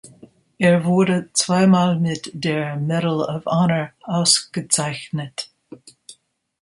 Er wurde zweimal mit der Medal of Honor ausgezeichnet.